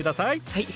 はい。